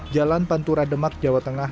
jalan pantura demak jawa tengah